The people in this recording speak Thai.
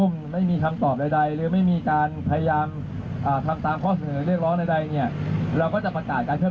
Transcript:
เราต้องรอให้ราชดรทั้งหลายมาออกแบบร่วมกัน